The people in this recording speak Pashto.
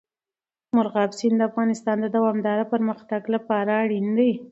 مورغاب سیند د افغانستان د دوامداره پرمختګ لپاره اړین دی.